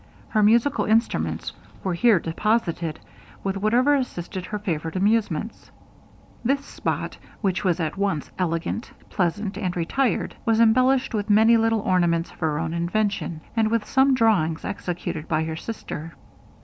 Her musical instruments were here deposited, with whatever assisted her favorite amusements. This spot, which was at once elegant, pleasant, and retired, was embellished with many little ornaments of her own invention, and with some drawings executed by her sister.